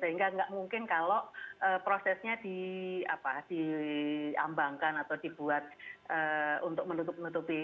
sehingga tidak mungkin kalau prosesnya diambangkan atau dibuat untuk menutup menutupi